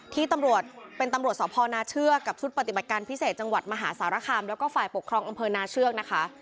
ที่ตำรวจเป็นตำรวจสพนาเชือกกับชุดปฏิบัติการพิเศษจังหวัดมหาสารคามแล้วก็ฝ่ายปกครองอำเภอนาเชือกนะคะ